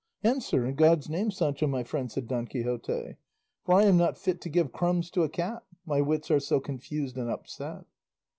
"Answer in God's name, Sancho my friend," said Don Quixote, "for I am not fit to give crumbs to a cat, my wits are so confused and upset."